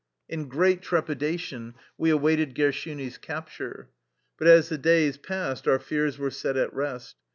In great trepidation we awaited Gershuni's capture. But as the days passed our fears were set at rest.